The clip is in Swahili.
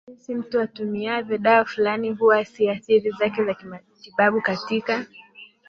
jinsi mtu atumiavyo dawa fulani huwa siathari zake za kimatibabu katika